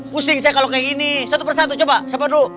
pusing saya kalau kayak gini satu persatu coba siapa dulu